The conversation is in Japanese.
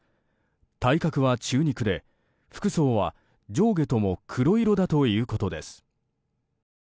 体格は中肉で、服装は上下とも黒色だということです。